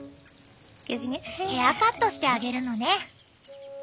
ヘアカットしてあげるのね。